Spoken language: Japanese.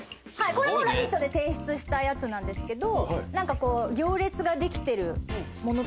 これも『ラヴィット！』で提出したやつなんですけど。